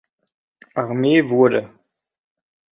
Armee wurde.